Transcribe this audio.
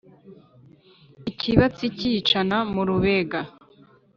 Ikibatsi kiyicana mu rubega,